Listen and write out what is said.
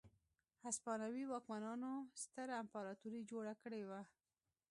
هسپانوي واکمنانو ستره امپراتوري جوړه کړې وه.